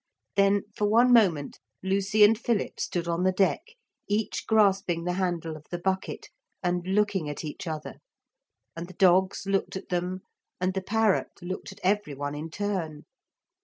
Then for one moment Lucy and Philip stood on the deck each grasping the handle of the bucket and looking at each other, and the dogs looked at them, and the parrot looked at every one in turn.